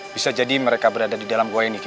bisa jadi mereka berada di dalam goa ini kik